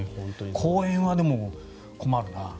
公園はでも、困るな。